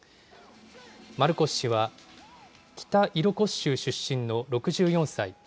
マルコス氏は北イロコス州出身の６４歳。